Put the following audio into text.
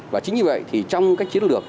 và chính như vậy thì trong các chiến lược